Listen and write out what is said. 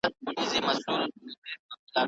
بریالي خلګ تل په کار او فعالیت بوخت دي.